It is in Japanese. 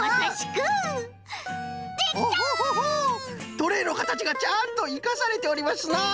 トレーのかたちがちゃんといかされておりますな！